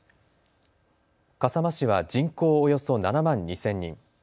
笠間市は人口およそ７万２０００人。